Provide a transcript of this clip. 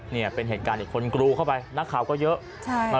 เนี่ยเป็นเหตุการณ์อีกคนกรูเข้าไปนักข่าวก็เยอะ